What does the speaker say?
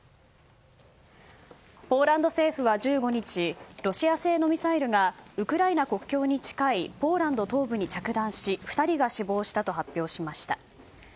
ポーランド政府は１５日ロシア製のミサイルがウクライナ国境に近いポーランド東部に着弾し２人が死亡したと発表しました。